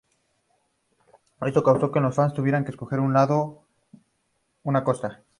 Esto causó que los fans tuvieran que escoger un lado, una costa.